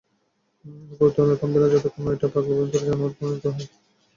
আর পরিবর্তন থামবে না যতক্ষণ না ঐটা পাগলা, ভয়ংকর জানোয়ারে পরিণত না হয়।